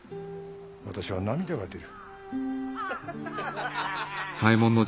私は涙が出る。